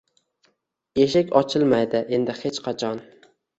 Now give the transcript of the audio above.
Eshik ochilmaydi endi hech qachon.